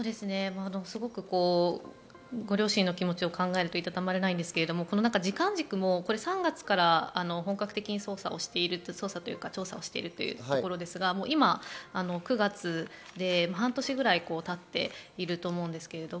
ご両親の気持ちを考えるといたたまれないのですが時間軸も３月から本格的に捜査している、調査をしているところですが、今、９月で半年ぐらいたっていると思います。